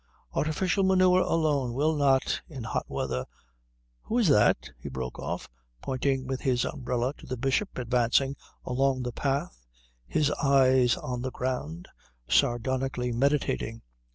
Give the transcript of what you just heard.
Artificial manure alone will not, in hot weather who is that?" he broke off, pointing with his umbrella to the Bishop advancing along the path, his eyes on the ground, sardonically meditating.